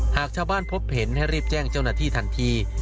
หากชาวบ้านพบเห็นให้รีบแจ้งเจ้าหน้าที่ทันที